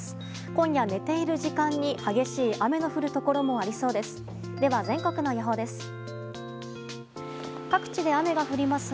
今夜、寝ている時間に激しい雨の降るところもありそうです。